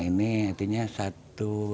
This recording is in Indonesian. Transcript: ini artinya satu